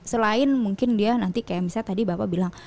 selain mungkin dia nanti kayak misalnya tadi bapak bilang